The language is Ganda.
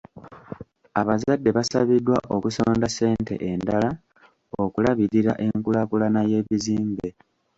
Abazadde basabiddwa okusonda ssente endala okulabirira enkulaakulana y'ebizimbe.